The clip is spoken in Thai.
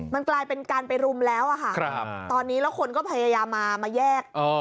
มันกลายเป็นการไปรุมแล้วอะค่ะตอนนี้แล้วคนก็พยายามมาแยก